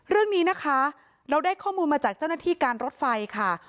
เรื่องนี้นะคะเราได้ข้อมูลมาจากเจ้าหน้าที่การรถไฟค่ะ